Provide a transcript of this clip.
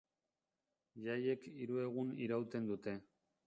Jaiek hiru egun irauten dute.